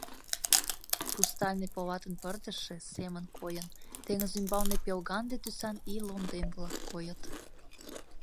Хрустальный полатын пырдыжше семын койын, теҥыз ӱмбалне пелганде тӱсан ий лондем-влак койыт.